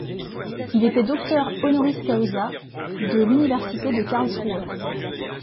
Il était docteur honoris causa de l'Université de Karlsruhe.